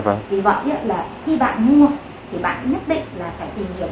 vâng vì vậy là khi bạn mua thì bạn nhất định là phải tìm hiểu